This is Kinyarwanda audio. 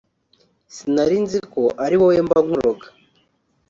"Sinari nzi ko ari wowe mba nkuroga